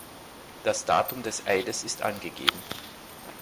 Das Datum des Eides ist angegeben.